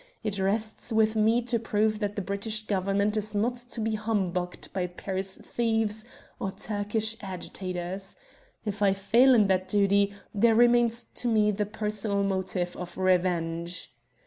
It rests with me to prove that the British Government is not to be humbugged by Paris thieves or Turkish agitators. If I fail in that duty there remains to me the personal motive of revenge!